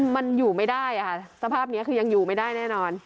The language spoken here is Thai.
มันอยู่ไม่ได้ค่ะสภาพนี้คือยังอยู่ไม่ได้แน่นอน